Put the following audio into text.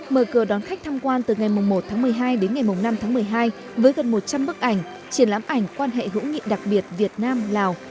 mở cửa đón khách tham quan từ ngày một tháng một mươi hai đến ngày năm tháng một mươi hai với gần một trăm linh bức ảnh triển lãm ảnh quan hệ hữu nghị đặc biệt việt nam lào